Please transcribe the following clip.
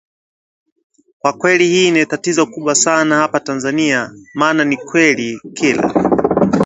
Kwa kweli hili ni tatizo kubwa sana hapa Tanzania maana ni kweli kila